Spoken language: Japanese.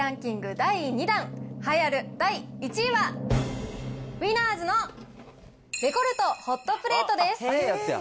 第２弾、栄えある第１位は、ウィナーズのレコルト・ホットプレートです。